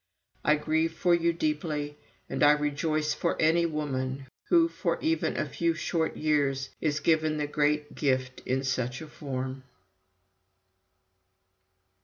"I grieve for you deeply and I rejoice for any woman who, for even a few short years, is given the great gift in such a form."